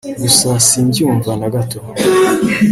gusa simbyumva na gato